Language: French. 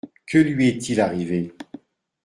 Que lui est-il arrivé ?